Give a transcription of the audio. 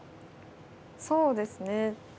そうですね。